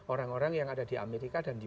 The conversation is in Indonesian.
orang orang yang ada di amerika dan di